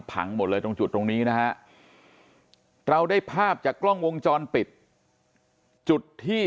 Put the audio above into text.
พังหมดเลยตรงจุดตรงนี้นะฮะเราได้ภาพจากกล้องวงจรปิดจุดที่